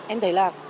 em thấy là